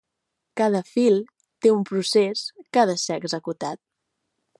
Cada fil té un procés que ha de ser executat.